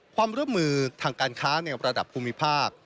ความร่วมมือทางการค้าในระดับภูมิภาค